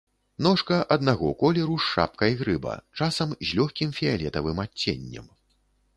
Ножка аднаго колеру з шапкай грыба, часам з лёгкім фіялетавым адценнем.